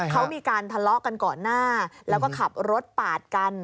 เขามีการทะเลาะกันก่อนหน้าแล้วก็ขับรถปาดกัน